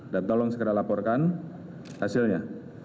dan tolong segera laporkan hasilnya